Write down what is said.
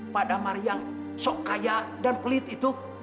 pak damar yang sok kaya dan pelit itu